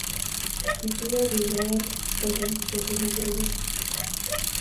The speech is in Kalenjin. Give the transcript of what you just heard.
Kituiyo biik aeng kogeny betut negirube